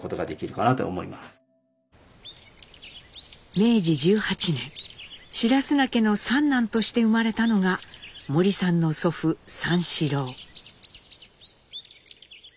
明治１８年白砂家の三男として生まれたのが森さんの祖父三四郎。